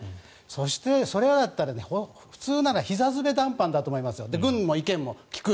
そしてそれだったら普通ならひざ詰め談判だと思いますよ軍の意見も聞く。